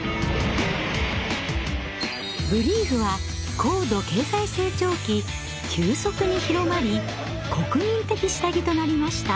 ブリーフは高度経済成長期急速に広まり国民的下着となりました。